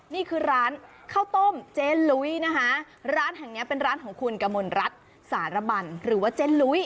นี่คือร้านข้าวต้มเจ๊ลุ้ยนะคะร้านแห่งเนี้ยเป็นร้านของคุณกมลรัฐสารบันหรือว่าเจ๊ลุ้ย